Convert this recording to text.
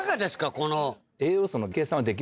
この。